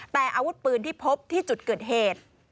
แต่อาวุธปืนที่พบที่จุดเกิดเหตุ